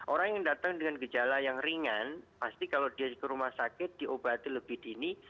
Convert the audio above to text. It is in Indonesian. orang yang datang dengan gejala yang ringan pasti kalau dia ke rumah sakit diobati lebih dini